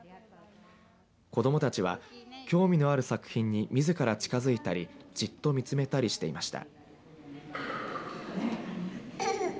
子どもたちは興味のある作品にみずから近づいたりじっと見つめたりしていました。